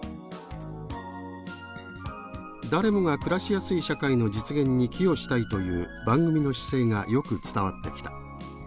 誰もが暮らしやすい社会の実現に寄与したいという番組の姿勢がよく伝わってきた」。